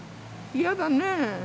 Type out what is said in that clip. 嫌だね。